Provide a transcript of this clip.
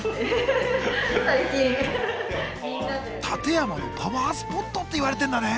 館山のパワースポットって言われてんだね！